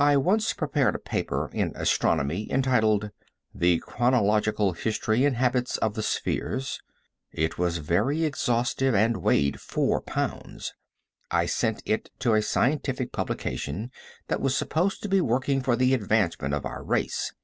I once prepared a paper in astronomy entitled "The Chronological History and Habits of the Spheres." It was very exhaustive and weighed four pounds. I sent it to a scientific publication that was supposed to be working for the advancement of our race.